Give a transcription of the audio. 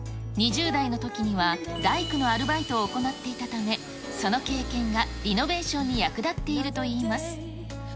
２０代のときには大工のアルバイトを行っていたため、その経験がリノベーションに役立っているといいます。